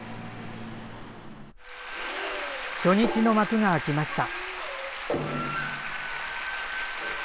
初日の幕が開きました。